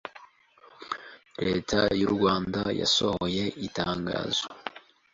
Leta y'u Rwanda yasohoye itangazo